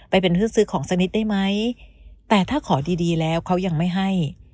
ไปเป็นฮึดซื้อของสักนิดได้ไหมแต่ถ้าขอดีดีแล้วเขายังไม่ให้